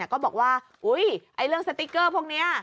ก็บอกว่าเรื่องสติ๊กเกอร์พวกนี้